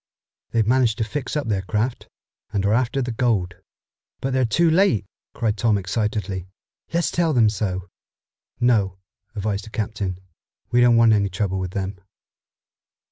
They've managed to fix up their craft and are after the gold." "But they're too late!" cried Tom excitedly. "Let's tell them so." "No," advised the captain. "We don't want any trouble with them."